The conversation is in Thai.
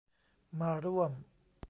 มาร่วม